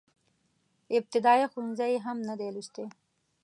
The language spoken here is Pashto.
ابتدائيه ښوونځی يې هم نه دی لوستی.